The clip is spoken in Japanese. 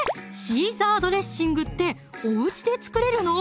シーザードレッシングっておうちで作れるの？